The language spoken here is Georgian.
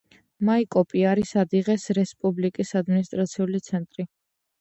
მაიკოპი არის ადიღეს რესპუბლიკის ადმინისტრაციული ცენტრი.